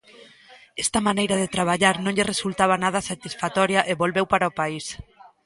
Esta maneira de traballar non lle resultaba nada satisfactoria e volveu para o país.